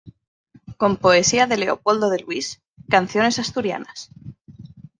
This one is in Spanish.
Con poesía de Leopoldo de Luis, "Canciones Asturianas".